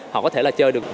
họ có thể là chơi được